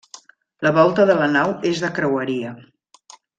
La volta de la nau és de creueria.